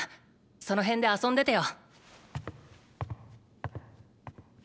その辺で遊んでてよ。